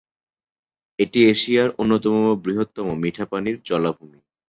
এটি এশিয়ার অন্যতম বৃহত্তম মিঠাপানির জলাভূমি।